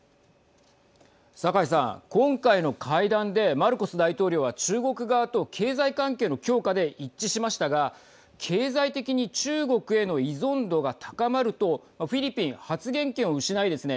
酒井さん、今回の会談でマルコス大統領は中国側と経済環境の強化で一致しましたが経済的に中国への依存度が高まるとフィリピン、発言権を失いですね